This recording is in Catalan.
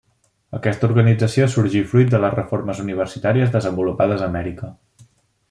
Aquesta organització sorgí fruit de les reformes universitàries desenvolupades a Amèrica.